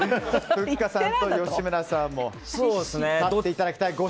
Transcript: ふっかさんと吉村さんも勝っていただきたい。